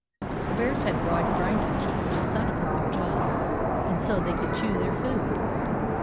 The bears had broad grinding teeth in the sides of their jaws, and so they could chew their food.